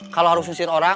kalau harus usir orang